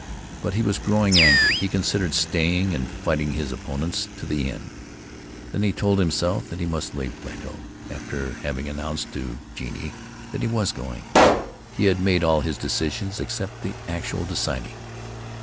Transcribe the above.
But he was growing angry. He considered staying and fighting his opponents to the end. Then he told himself that he must leave Plato, after having announced to Genie that he was going.... He had made all of his decision except the actual deciding.